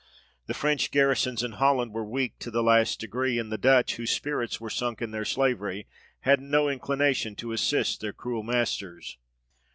The French garrisons in Holland were weak to the last degree, and the Dutch, whose spirits were sunk in their slavery, had no inclination to assist their cruel masters.